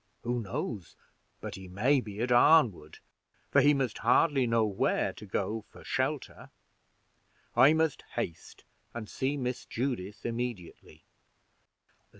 Who knows but he may be at Arnwood, for he must hardly know where to go for shelter? I must haste and see Miss Judith immediately.